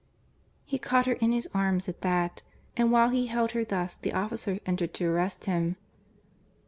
He caught her in his arms at that, and while he held her thus the officers entered to arrest him.